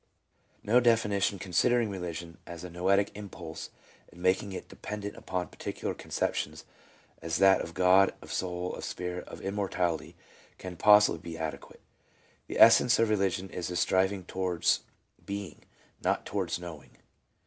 So definition considering religion as a noetic impulse and making it dependent upon particular conceptions, as that of God, of soul, of spirit, of immortality, can possibly be ade quate. The essence of religion is a striving towards being, not towards knowing.